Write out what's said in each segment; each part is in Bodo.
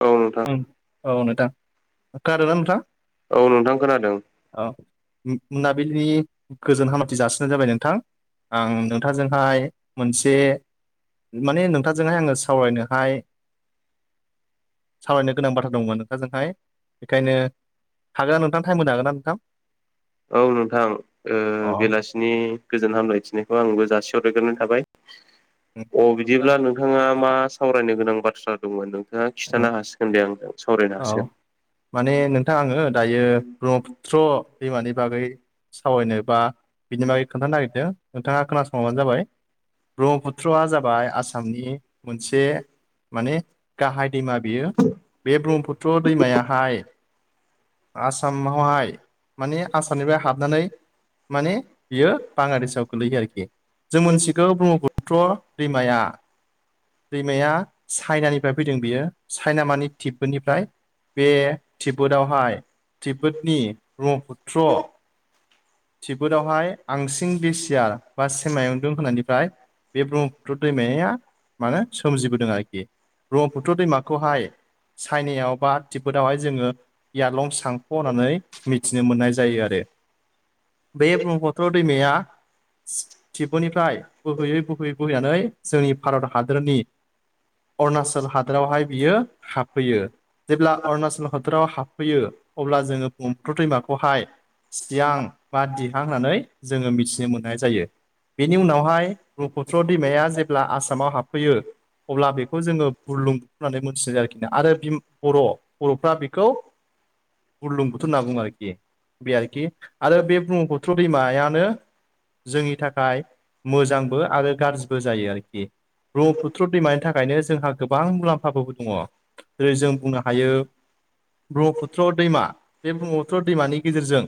औ नोंथां ओं औ नोंतां कारोना नोंथा औ नोंथां खोनादों औ। मोनाबिलिनि गोजोन हामलायथि जासिहरनाय जाबाय नोंथां। आं नोंथांजोंहाय मोनसे माने नोंथांजोंहाय आङो सावरायनोहाय सावरायनो गोनां बाथ्रा दंमोन नोंखाजोंहाय बेखायनो हागोना नोंथां टाइम होनो हागोना नोंथां? औ नोंथां ओ बेलासि बिनि गोजोन हामलायथिनायखौ आंबो जासि हरायग्रोनाय थाबाय। अ बिदिब्ला नोंथाङा अ मा सावरायनो गोनां बाथ्रा दंमोन नों? दा खिथानो हसिगोन दे आं औ माने नोंथां आङो दायो ब्रह्मपुत्र दैमानि बागै सावरायनो बा बिनि बागै खोन्थानो नागिरदों नोंथाङा खोनासंबानो जाबाय। ब्रह्मपुत्रआ जाबाय आसामनि मोनसे माने गाहाय दैमा बियो बे ब्रह्मपुत्र दैमायाहाय आसामावहाय माने आसामनिफ्राय हाबनानै माने बियो बांगलादेशआव गोलैयो आरोखि जों मोनथिगौ ब्रह्मपुत्र दैमाया दैमाया चाइनानिफ्राय फैदों बियो चाइना मानि तिब्बदनिफ्राय बे तिब्बतआवहाय तिबोदनि ब्रह्मपुत्र थिबोदावहाय आंसिं बेसियार बा सेमायावदुं होननायनिफ्राय- बे ब्रह्मपुत्र दैमाया मानो सोमजिबोदों आरोखि। ब्रह्मपुत्र दैमाखौहाय चाइनायाव बा तिब्बतआवहाय जोङो यालं सांख' होननानै मिथिनो मोननाय जायो आरो। बे ब्रह्मपुत्र दैमाया ठिबनिफ्राय बोहोयै बोहोयै बोहैनानै जोंनि भारत हादरनि अरुणाचल हादोरावहाय बियो हाबफैयो। जेब्ला अरुणाचल हादराव हाबफैयो अब्ला जोङो 'ब्रह्मपुत्र दैमाखौहाय सियां बा दिहां होननानै जोङो मिथिनो मोननाय जायो। बेनि उनावहाय ब्रह्मपुत्र दैमाया जेब्ला आसामाव हाबफैयो अब्ला बेखौ जोङो बुरलुं -बु - होननानै मोनथि जायो आरोखि आरो बर' बर'फ्रा बेखौ बुरलुं बुथोर होनना बुङो आरोखि बे आरोखि आरो बे ब्रह्मपुत्र दैमायानो जोंनि थाखाय मोजांबो आरो गाज्रिबो जायो आरोखि ब्रह्मपुत्र दैमानि थाखायनो जोंहा गोबां मुलाम्फाबो दङ। जेरै जों बुंनो हायो ब्र्मपु पुथ्र-' दैमा बे बह्मपुत्र ' दैमानि गेजेरजों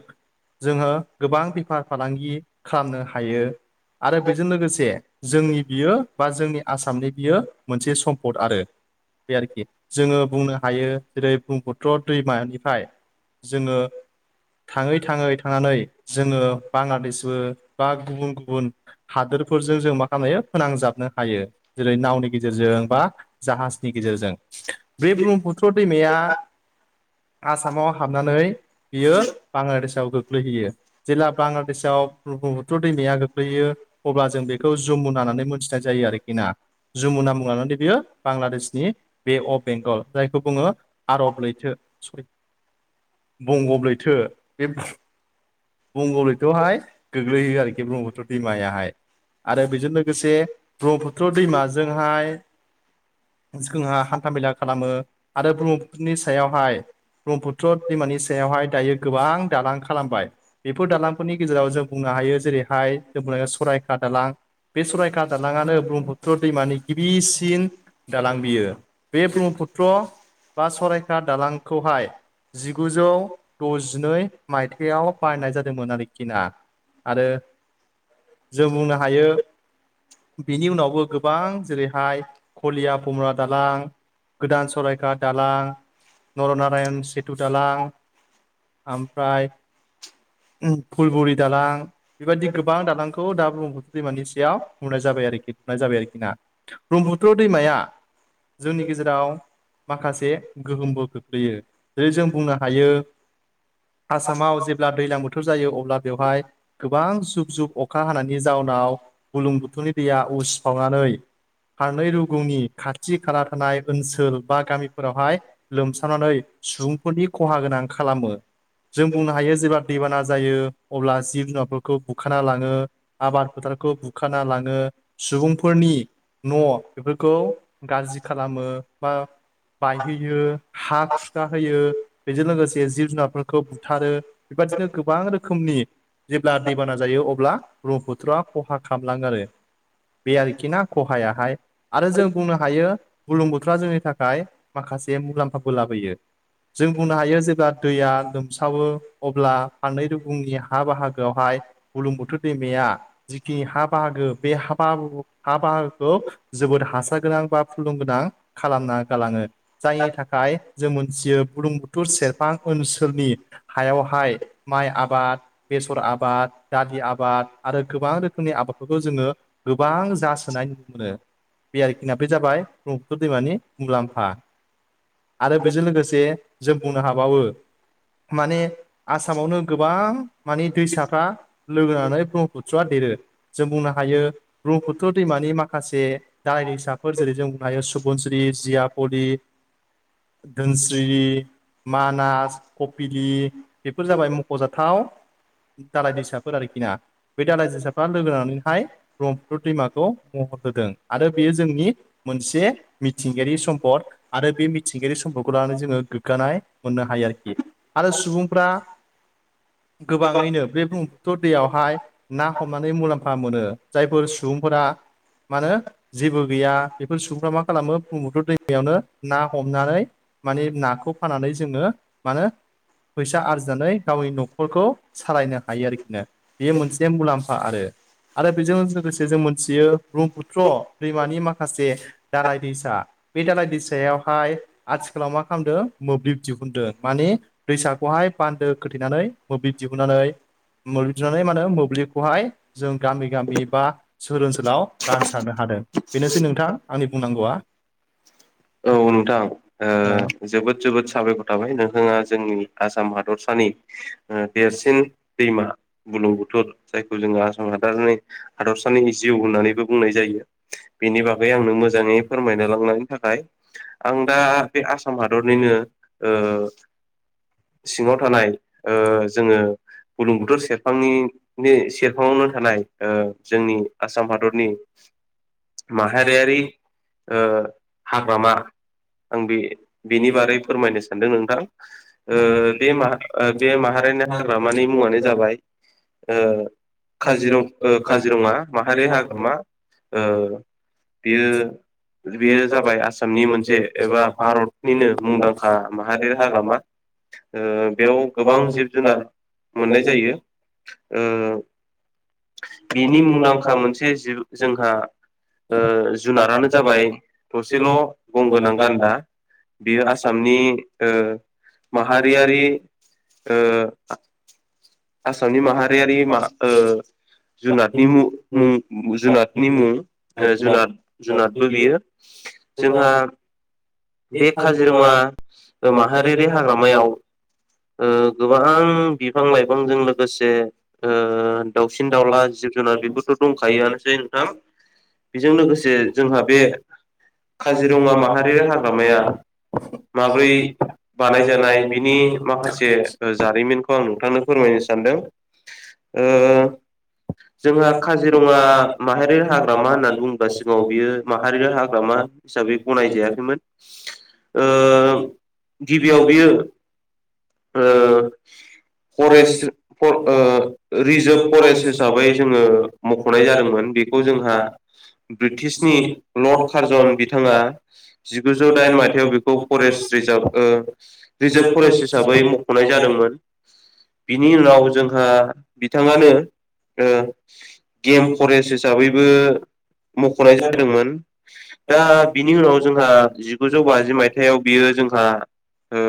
जोङो गोबां बेफार फालांगि खालामनो हायो आरो बेजों लोगोसे जोंनि बियो बा जोंनि आसामनि बियो मोनसे सम्पद आरो। बे आरोखि जोङो बुंनो हायो जेरै बह्मपुत्र दैमानिफ्राय जोङो थाङै थाङै थांनानै जोङो बांलादेशबो बा गुबुन गुबुन हादोरफोरजों जों मा खालामनो हायो फोनांजाबनो हायो जेरै नावनि गेजेरजों बा जाहाजनि गेजेरजों बे ब्रह्मपुत्र दैमाया आसामाव हाबनानै बियो बांलादेशआव गोग्लैहैयो। जेला बांलादेशआव बह्मपुत्र ' दैमाया गोग्लैयो अब्ला जों बेखौ जुमुना होननानै मोनथिनाय जायो आरोखि ना। जुमुना मुं लानानै द बियो बांलादेशनि बे अफ बेंगल जायखौ बुङो आरब लैथो सर बुंगब लैथो बे बंगब लैथआव हाय गोग्लैहोयो आरोखि ब्रह्मपुत्र दैमायाहाय। आरो बेजों लोगोसे ब्रह्मपुत्र दैमाजोंहाय जोंहा हान्थामेला खालामो आरो ब्रह्मुरनि सायावहाय ब्रह्मपुत्र दैमानि सायावहाय दायो गोबां दालां खालामबाय। बेफोर दालांफोरनि गेजेराव जों बुंनो हायो जेरैहाय जों बुंनो सररायघाट दालां बे सरायघाट दालाङानो ब्रह्मपुत्र दैमानि गिबिसिन दालां बियो बे ब्रह्मपुत्र बा सरायघाट दालांखौहाय जिगुजौ द'जिनै माइथायाइयाव बायनाय जादोंमोन आरोखि ना आरो जों बुंनो हायो बिनि उनावबो गोबां जेरैहाय कलियाभमरा दालां गोदान सरायघाट दालां नरनारायण सेथु दालां ओमफ्राय फुलबुरि दालां बेबायदि गोबां दालांखौ दा ब्रम्हपुट्र दैमानि सायाव नुनाय जाबाय आरोखि लुनाय जाबाय आरोखि ना ब्रह्मपुत्र दैमाया जोंनि गेजेराव माखासे गोहोमबो खोख्लैयो। जेरै जों बुंनो हायो आसामाव जेब्ला दैज्लां बोथोर जायो अब्ला बेवहाय गोबां जुब जुब अखा हानायनि जाउनाव बुलुं बुथुमनि दैया उसिफावनानै फारनै रुगुंनि खाथि खाला थानाय ओनसोल बा गामिफोरावहाय लोमसावानानै सुबुंफोरनि खहा गोनां खालामो जों बुंनो हायो जेब्ला दैबाना जायो अब्ला जिब जुनारफोरखौ बुखाना लाङो आबाद फोथारखौ बुखाना लाङो सुबुंफोरनि न' बेफोरखौ गाज्रि खालामो बा बायहोयो हा खुरखा होयो, बेजों लोगोसे जिब जुनारफोर खौ बुथारो बेबादिनो गोबां रोखोमनि जेब्ला दैबाना जायो अब्ला ब्रह्मपुत्रआ खहा खालामलाङो आरो बे आरोखि ना खहायाहाय आरो जों बुंनो हा यो बुरलुंबुथुर आ जोंनि थाखाय माखासे मुलाम्फाबो लाबोयो। जों बुंनो हायो जेब्ला दैया लोमसावो अब्ला फाननै रुगुंनि हा बाहागोआवहाय बुरलुंबुथुर दैमाया जिखिनि हा बाहागो बे हा बाहा बाहागोखौ जोबोद हासार गोनां बा फुलुं गोनां खालामना गालाङो जायनि थाखाय जों मोनथियो बुरलुंबुथुर सेरफां ओनसो सोलनि हायावहाय माइ आबाद बेसर आबाद, दालि आबाद आरो गोबां रोखोमनि आबादफोरखौ जोङो गोबां जासोनाय नुनो मोनो बे आरोखि बे जाबाय ब्रह्पुत्र दैमानि मुलाम्फा आरो बेजों लोगोसे जों बुंनो हाबावो माने आसामावनो गोबां माने दैसाफ्रा लोगोनानै ब्र म्हपुत्रआ देरो जों बुंनो हायो ब्रह्मपुत्र दैमानि माखासे दालाय दैसाफोर जेरै जों बुंनो हायो सुबुनस्रि जियापलि धोनस्रि मानास कफलि बेफोर जाबाय मख'जाथाव दालाय दैसाफोर आरोखि ना बे दालाय दैसाफ्रा लोगो नांनानैहाय ब्रह्मपुत्र दैमाखौ महर होदों आरो बेयो जोंनि मोनसे मि थिंगायारि सम्पद आरो बे मिथिंगायारि सम्दखौ लानानै जोङो गोग्गानाय मोननो हायो आरो आरो सुबुंफ्रा गोबाङैनो बे ब्रह्म पुत्र' दैयावहाय ना हमनानै मुलाम्फा मोनो जायफोर सुबुंफोरा मा होनो जेबो गैया बेफोर सुबुंफ्रा मा खालामो ब्रह्म पुत्र दैमायावनो ना हमनानै माने नाखौ फाननानै जोङो मा होनो फैसा आरजिनानै गावनि न'खरखौ सालायनो हायो आरोखिनो बे मोनसे मुलाम्फा आरो आरो बेजों लोगोसे जों मोनथियो ब्रह्मपुत्र दैमानि माखासे दालाय दैसा बे दालाय दैसायावहाय आथिखालाव मा खालामदों मोब्लिब दिहुनदों। मानि दैसाखौहाय बान्दो खोथेनानै मोब्लिब दिहुननानै [unintelligible] मोब्लिबखौहाय जों गामि गामि बा सोहोर ओनसोलाव रानसारनो हादों बेनोसै नोंथां आंनि बुंनांगौआ। औ नोंथां ओ जोबोद जोबोद आंनि साबायखर थाबाय नोंथाङा जोंनि आसाम हादरसानि ओ देरसिन दैमा बुरलुंबुथुर जायखौ जोङो आसाम [unintelligible] हादरसानि जिउ होननानैबो बुंनाय जायो बेनि बेनि बागै आंनो मोजाङै फोरमायना [unintelligible] थाखाय आं दा बे आसाम हादरनिनो ओ सिङाव थानाय ओ जोङो बुरलुंबुथुर सेरफांनि बे नि सेरफांनो सेरफाङावनो थाखाय थानाय ओ जोंनि आसाम हादरनि माहारियारि ओ हाग्रामा आं बे बिनि बारै फोरमायनो सानदों नोंथां ओ बे मा ओ बे माहारिनि हाग्रामानि मुङानो जाबाय जाबाय ओ काजिरङा काजिरं ओ काजिरङा माहारि हाग्रामा ओ बेयो बेयो जाबाय आसामनि मोन मोनसे एबा भारतनिनो मुंदांखा माहारि हाग्रामा ओ बेयाव गोबां जिब जुनार मोननाय जायो ओ बिनि मुंदांखा मोनसे जि जोंहा ओ जुनारानो जाबाय थसेल' गं गोनां गान्दा बियो आसामनि ओ माहारियारि ओ आसामनि माहारियारि मा ओ जुनातनि मुं मुं जुनादनि जुनार मुं ओ जुनाद जुनादबो बियो। जोंहा बे काजिरङा माहारियारि हाग्रामायाव ओ गोबां बिफां लाइफांजों लोगोसे ओ दाउसिन दाउला दंखायो जिब [unintelligible] बेफोरथ' बेजों दंखायोआनोसै नोंथां बेजों लोगोसे जोंहा बे काजिरङा माहारि माहारिया हाग्रामाया गालांनाया दा माब्रै बै बानायजानाय बिनि माखासे जारिमिनखौ आं नोंथांनो फोरमायनो सानदों। ओ जोंहा काजिरङा माहारि माहारियारि हाग्रामा होननानै बुङोब्ला सिगाङाव मिथिगौ बियो बेखौ माहारि माहारियारि हाग्रामा हिसाबै होननानै गनाय बुंनाय जायो जायाखैमोन ओ गिबियाव बियो ओ फरेस्ट ओ रिजार्भ फरेस्ट हिसा हिसाबै जोङो मख'नाय जादोंमोन बेखौ जोंहा ब्रिटिशनि लर्ड कार्जन बिथाङा जिगुजौ दाइन मायथाइाव बेखौ फरेस्ट रिजार्भ ओ रिजार्भ फरेस्ट हिसाबै मखनाय जादोंमोन बिनि उनाव जोंहा आरो बिथाङानो ओ गेम फरेस्ट हिसाबैबो मख'नाय जादोंमोन। दा बिनि उनाव जोंहा जिगुजौ बाजि मायथायाव बियो जोंहा ओ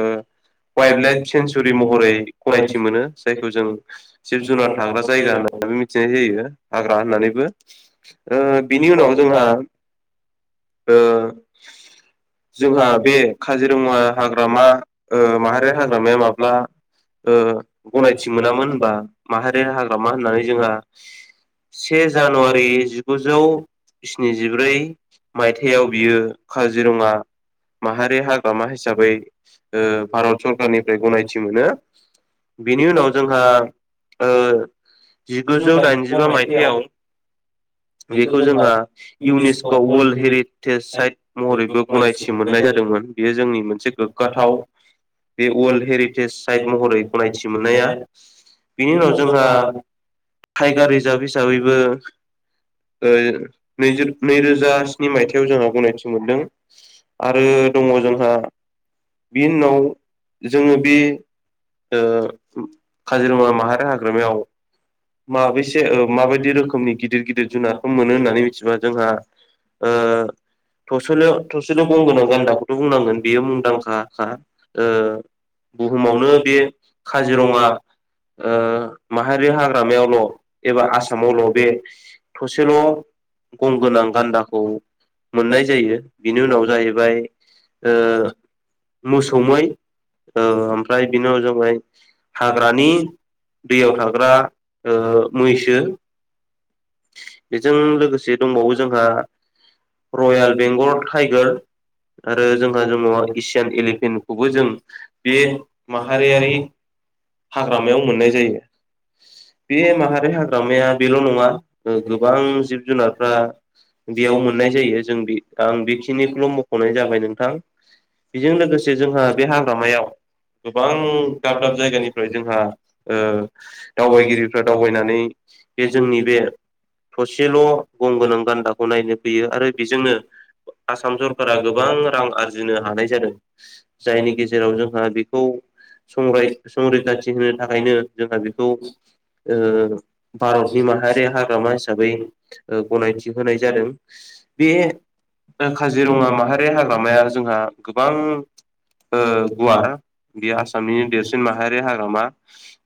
वाइल्ड लाइफ सेन्सुरि महरै गनायथि मोनो जायखौ जों जिब जुनार थाग्रा जायगा हो [unintelligible] मिथिनाय जायो हाग्रा होननानैबो ओ बिनि उनाव जोंहा ओ जोंहा बे काजिरङा हाग्रामा ओ माहारि हाग्रामाया माब्ला ओ गनायथि मोनामोन होनबा माहारि हाग्रामा होननानै जोंहा से जानुवारि जिगुजौ जिब्रै स्निजिब्रै। मायथायाव बियो काजिरङा [unintelligible] माहारि हाग्रामा हिसाबै भारत सरकारनिफ्राय गनायथि मोनो। बिनि उनाव जोंहा जिगुजौ दाइनजिबा मायथाइयाव बेखौ जोंहा इउनेस्क' वर्ल्ड हेरिटेज साइट महरैबो गनायथि मोननाय जादोंमोन बेयो जोंनि मोनसे गोग्गाथाव बे वर्ल्ड हेरिटेज साइट महरै गनायथि मोननाया बिनि उनाव जोंहा टाइगार रिजार्भ हिसाबैबो नै रोजा स्नि मायथाइयाव जोंहा गनायथि मोनदों आरो दङ बेनि उनाव जोङो बे [inaudible] ओ काजिरङा माहारि हाग्रामायाव माबेसे ओ माबायदि रोखोम रोखोमनि गिदिर गिदिर जुनारखौ नाखौ मोनो होननानै मिथिबा जोंहा ओ थसेल' होननानै औ थसेल' गं गोनां गान्दाखौथ' बुंनांगोन बेयो मुंदांखा मुंदांखाखा बुहुमावनो बे काजिरङा माहारि हाग्रामायावल' एबा आसामावल' बे थसेल' बेखौल' गं गोनां बुंगोनां गान्दा गान्दाखौ मोननाय मोननाय जायो। बिनि उनाव जाहैबाय मोसौ मै औ ओमफ्राय बिनाव जाबाय हाग्रानि हाग्रानि दैयाव थाग्रा ओ मैसो बेजों लोगोसे दंबावो जोंहा रयेल बेंगल टाइगार आरो जोंहा दङ एसियान एलिफेन्टखौबो जों बे माहारियारि हाग्रामायाव मोननाय जायो। बे माहारि हाग्रामाया बेल' नङा गोबां जिब जुनारफ्रा बेयाव मोननाय जायो जों बे आं बेखिनिखौल' मख'नाय जाबाय नोंथां लोगोसे बेजों लोगोसे जोंहा बे हाग्रामायाव गोबां दाब दाब जायगानिफ्राय जोंहा ओ दावबायगिरिफ्रा दावबायनानै बे जोंनि बे थसेल' गंगोनां गान्दाखौ नायनो फैयो आरो एसेल' बेजोंनो आसाम जोङो बे सरकारा माथारि गोबां रां हाग्रामाया आरजिनो हानाय जादों जोंनि जायनि गेजेराव जोंहा बेखौ संराय संरैखाथि ओ भारतनि माहारि हाग्रामा हिसाबै गनायथि होनाय जादों बे काजिरङा माहारि हाग्रामाया जोंहा गोबां गुवार बेयो आसामनि देरसिन माहारि हाग्रामा।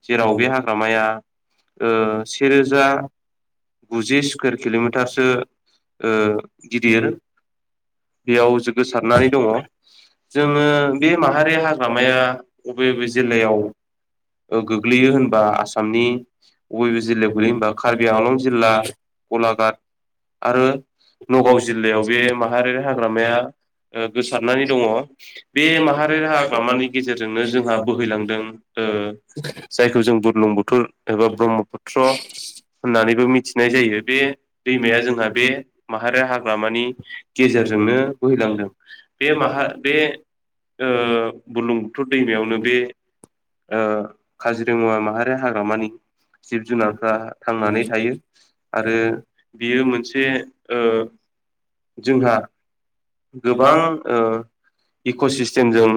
जेराव बे हाग्रामाया से रोजा गुजि स्कुवेर किल'मिटारसो गिदिर। बेयाव गोसारनानै दङ जोङो बे माहारि हाग्रामाया बबे बबे जिल्लायाव औ गोग्लैयो होनबा आसामनि बबेब जिल्लायाव गोलैयो होनबा कारबि आंलं जिल्ला गलाघाट आरो नगाव लोगों से जिल्लायाव बे जाओगे महान माहारि के साथ लग हाग्रामाया गया तो सपना गोसारनानै भी नहीं दङ होगा बे ये महान माहारि के साथ ब्राह्मण हाग्रामानि की गेजेरजोंनो जोंहा साथ भी बोहैलांदों करते जायखौ जों बुरलुंबुथोर एबा ब्रह्मपुत्र होननानैबो मिथिनाय जायो बे भी दैमाया मैरिज जोंहा करके बे माहारिया हाग्रामानि इस जैसे गेजेरजोंनो बोहैलांदों में बे ये वहाँ माहारि बे के बुरलुंबुथुर भी दैमायावनो बे जरूरी काजिरङा माहारि हाग्रामानि जिब जुनारफ्रा ये थांनानै थायो आरो बियो मोनसे बे उसके जोंहा गोबां जुबान इकोसिस्टम इक'सिस्टेमजों